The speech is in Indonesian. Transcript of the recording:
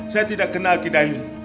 saya tidak kenal kidayun